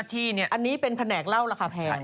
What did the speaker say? อันนี้เป็นแผนกเล่าราคาแพง